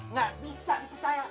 nggak bisa dipercaya